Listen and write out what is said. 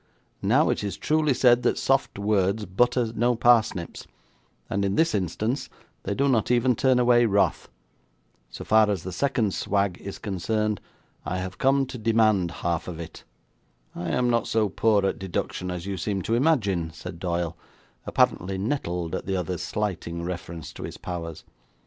Now, it is truly said that soft words butter no parsnips, and, in this instance, they do not even turn away wrath. So far as the second swag is concerned, I have come to demand half of it.' 'I am not so poor at deduction as you seem to imagine,' said Doyle, apparently nettled at the other's slighting reference to his powers.